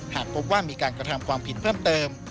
หากพบว่ามีการกระทำความผิดเพิ่มเติม